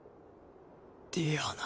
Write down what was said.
ディアナ。